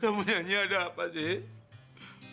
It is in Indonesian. kamu nyanyi ada apa sih